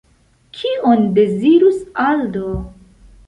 Kion dezirus Aldo?